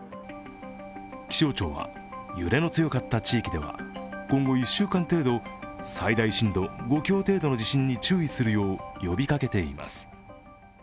気象庁は揺れの強かった地域では今後１週間程度最大震度５強程度の地震に注意するよう呼びかけています。